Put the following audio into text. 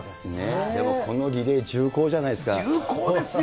でもこのリレー、重厚じゃな重厚ですよ。